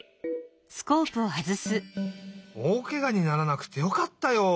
おおけがにならなくてよかったよ。